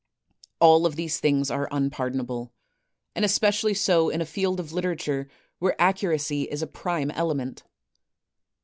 All of these things are unpardonable, and especially so in a field of literature where accuracy is a prime element.